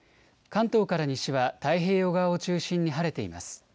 関東から西は太平洋側を中心に晴れています。